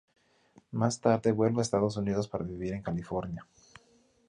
Más tarde vuelve a Estados Unidos para vivir en California.